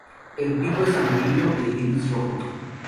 El pico es amarillo y el iris rojo.